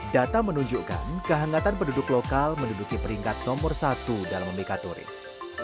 data menunjukkan kehangatan penduduk lokal menduduki peringkat nomor satu dalam memikat turis